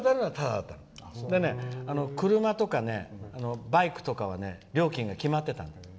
車とかバイクとかは料金が決まってたの。